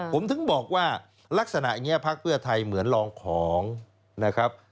ผมถึงบอกว่าลักษณะอย่างนี้พักเพื่อไทยเหมือนลองของนะครับ